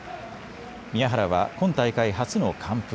宮原は今大会初の完封。